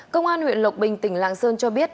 công an huyện lộc bình tỉnh lạng sơn cho biết